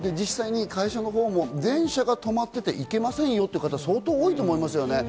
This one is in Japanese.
会社も電車が止まってていけませんよという方、相当多いと思いますよね。